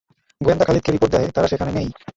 গোয়েন্দা খালিদকে রিপোর্ট দেয় তারা সেখানে নেই।